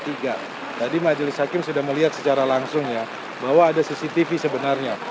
tadi majelis hakim sudah melihat secara langsung ya bahwa ada cctv sebenarnya